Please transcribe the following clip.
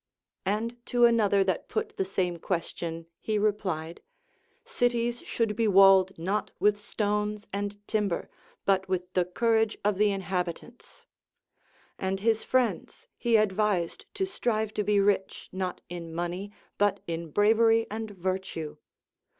And to another that ])ut the same question he replied. Cities should be walled not with stones and timber, but with the courage of the inhab itants ; and his friends he advised to strive to be rich not in money, but in bravery and virtue.